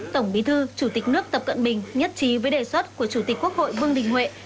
tổng bí thư chủ tịch nước tập cận bình nhất trí với đề xuất của chủ tịch quốc hội vương đình huệ